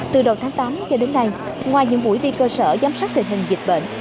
từ đầu tháng tám cho đến nay ngoài những buổi đi cơ sở giám sát tình hình dịch bệnh